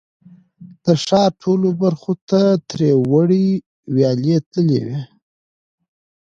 د ښار ټولو برخو ته ترې وړې ویالې تللې وې.